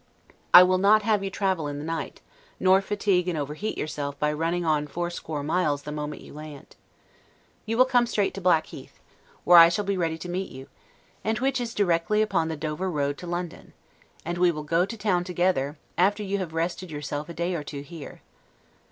I will not have you travel in the night, nor fatigue and overheat yourself by running on fourscore miles the moment you land. You will come straight to Blackheath, where I shall be ready to meet you, and which is directly upon the Dover road to London; and we will go to town together, after you have rested yourself a day or two here.